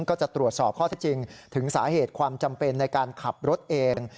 ก็จะตรวจสอบข้อที่จริงถึงสาเหตุความจำเป็นในการขับรถเอง